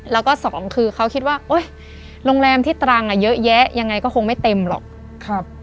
แล้วก็สองคือเขาคิดว่าโอ๊ยโรงแรมที่ตรังเยอะแยะยังไงก็คงไม่เต็มหรอก